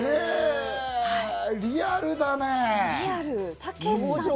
リアルだね。